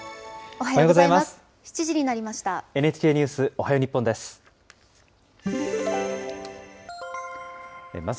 おはようございます。